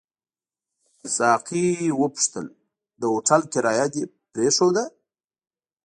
ساقي وپوښتل: د هوټل کرایه دې پرېښوده؟